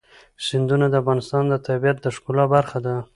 سیندونه د افغانستان د طبیعت د ښکلا برخه ده.